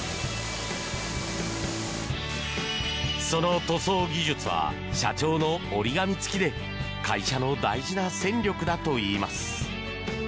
その塗装技術は社長の折り紙付きで会社の大事な戦力だといいます。